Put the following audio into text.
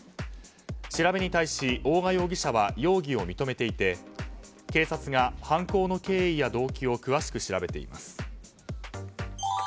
調べに対し大賀容疑者は容疑を認めていて警察が犯行の経緯や動機を詳しく調べています。